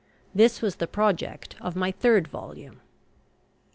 This was the project of my third volume."